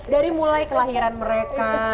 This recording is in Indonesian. dari mulai kelahiran mereka